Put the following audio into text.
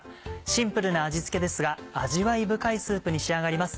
シンプルな味付けですが味わい深いスープに仕上がります。